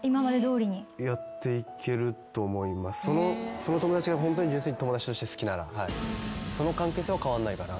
その友達がホントに純粋に友達として好きならその関係性は変わんないかな。